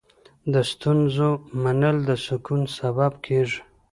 د ستونزو منل د سکون سبب کېږي.